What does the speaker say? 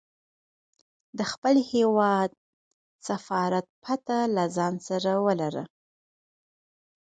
د خپل هیواد سفارت پته له ځانه سره ولره.